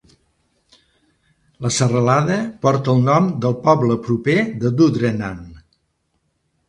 La serralada porta el nom del poble proper de Dundrennan.